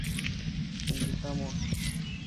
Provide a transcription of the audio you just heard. Invitamos